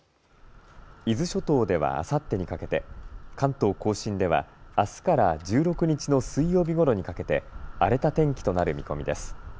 伊豆諸島ではあさってにかけて、関東甲信ではあすから１６日の水曜日ごろにかけて荒れた天気となる見込みです。